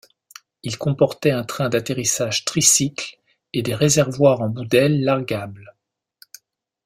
Il comportait un train d'atterrissage tricycle et des réservoirs en bout d’ailes largable.